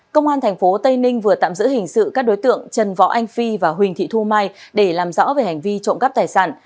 công an tp tây ninh vừa tạm giữ hình sự các đối tượng trần võ anh phi và huỳnh thị thu mai để làm rõ về hành vi trộm cắp tài sản